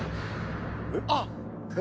あっ。